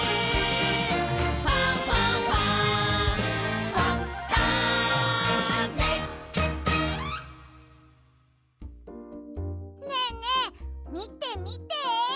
「ファンファンファン」ねえねえみてみて！